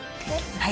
はい。